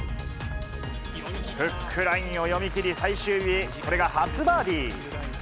フックラインを読み切り、最終日、これが初バーディー。